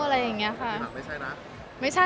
อะไรอย่างนี้ค่ะ